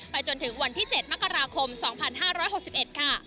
จนถึงวันที่๗มกราคม๒๕๖๑ค่ะ